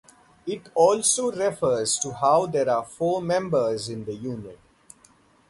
It also refers to how there are four members in the unit.